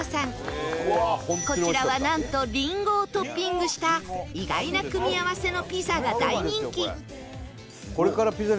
こちらはなんとりんごをトッピングした意外な組み合わせのピザが大人気